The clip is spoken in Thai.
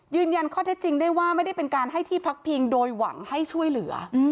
ยืนยันข้อเท็จจริงได้ว่าไม่ได้เป็นการให้ที่พักพิงโดยหวังให้ช่วยเหลือ